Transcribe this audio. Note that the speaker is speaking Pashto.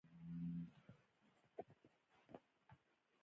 ښوونځی د ماشومانو دوهم کور دی.